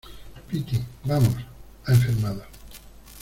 piti, vamos. ha enfermado .